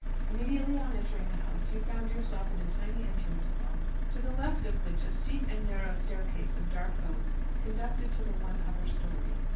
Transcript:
Immediately on entering the house you found yourself in a tiny entrance hall, to the left of which a steep and narrow staircase of dark oak conducted to the one upper story.